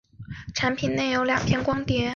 产品内有两片光碟。